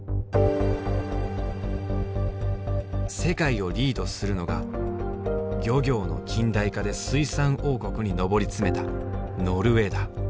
世界をリードするのが「漁業の近代化」で水産王国に上り詰めたノルウェーだ。